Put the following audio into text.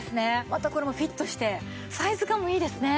またこれもフィットしてサイズ感もいいですね。